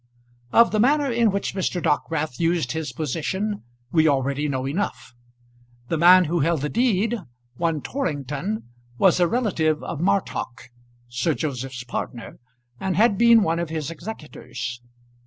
Of the manner in which Mr. Dockwrath used his position we already know enough. The man who held the deed, one Torrington, was a relative of Martock, Sir Joseph's partner, and had been one of his executors.